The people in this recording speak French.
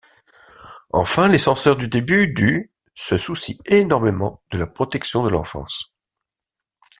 Enfin, les censeurs du début du se soucient énormément de la protection de l'enfance.